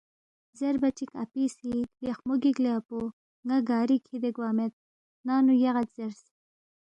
زیربا چِک اپی سی، لیخمو گِک لے اپو ، ن٘ا گاری کِھدے گوا مید، ننگ نُو یغید زیرس